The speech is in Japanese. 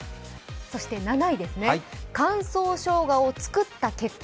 そして７位ですね、乾燥生姜を使った結果。